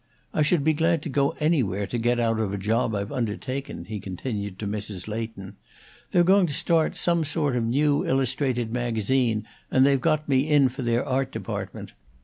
"I should be glad to go anywhere to get out of a job I've undertaken," he continued, to Mrs. Leighton. "They're going to start some sort of a new illustrated magazine, and they've got me in for their art department.